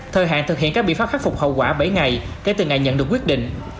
thời hạn thực hiện các biện pháp khắc phục hậu quả bảy ngày kể từ ngày nhận được quyết định